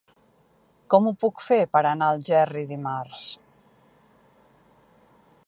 Com ho puc fer per anar a Algerri dimarts?